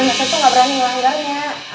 saya tuh nggak berani melanggarnya